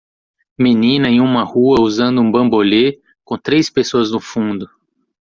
Menina em uma rua usando um bambolê? com três pessoas no fundo.